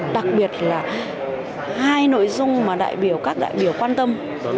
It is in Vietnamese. đặc biệt là hai nội dung mà các đại biểu quan tâm